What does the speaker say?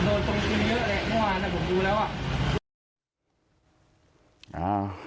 เมื่อวานน่ะผมรู้แล้วอ่ะ